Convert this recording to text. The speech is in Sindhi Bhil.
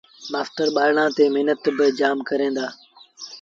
مآستر ٻآرآݩ تي مهنت با جآم ڪريݩ دآ